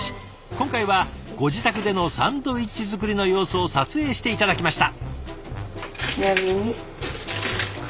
今回はご自宅でのサンドイッチ作りの様子を撮影して頂きました！